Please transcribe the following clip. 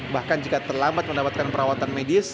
bahkan jika terlambat mendapatkan perawatan medis